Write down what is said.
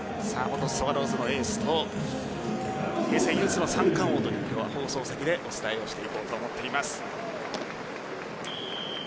元スワローズのエースと平成唯一の三冠王という放送席でお伝えしていこうと思っています。